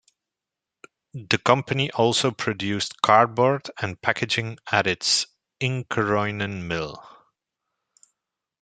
The company also produced cardboard and packaging at its Inkeroinen mill.